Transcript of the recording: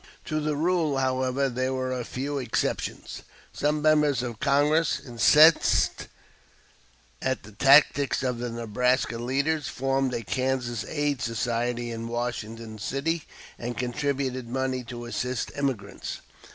To the rule, however, there were a few exceptions. Some members of Congress, incensed at the tactics of the Nebraska leaders, formed a Kansas Aid Society in Washington City and contributed money to assist emigrants.